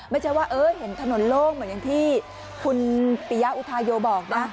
ไม่ใช่ว่าเห็นถนนโล่งเหมือนอย่างที่คุณปียะอุทาโยบอกนะ